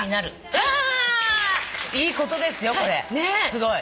すごい。